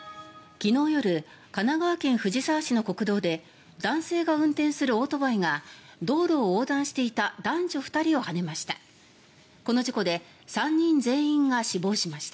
昨日夜、神奈川県藤沢市の国道で男性が運転するオートバイが道路を横断していた男女２人をはねました。